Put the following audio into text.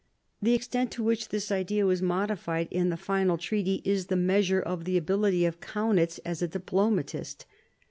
The extent to which this idea was modified in the final treaty is the measure of the ability of Kaunitz as a diplomatist.